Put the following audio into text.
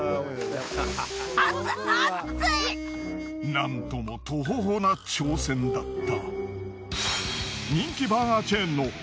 なんともトホホな挑戦だった。